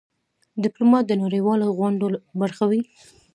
ډيپلومات د نړېوالو غونډو برخه وي.